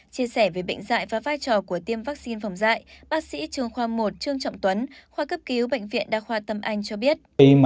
chia sẻ về bệnh dạy và vai trò của tiêm vaccine phòng dạy bác sĩ trương khoa một trương trọng tuấn khoa cấp cứu bệnh viện đa khoa tâm anh cho biết